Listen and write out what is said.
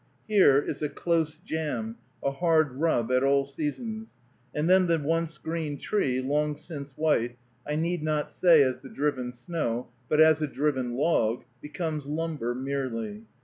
Here is a close jam, a hard rub, at all seasons; and then the once green tree, long since white, I need not say as the driven snow, but as a driven log, becomes lumber merely.